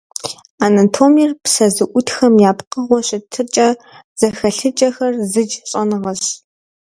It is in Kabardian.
Анатомиер - псэ зыӏутхэм я пкъыгъуэ щытыкӏэ-зэхэлъыкӏэхэр зыдж щӏэныгъэщ.